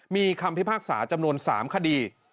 มีคำพิพากษาจำนวน๓คดี